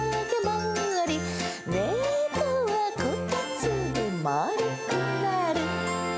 「ねこはこたつでまるくなる」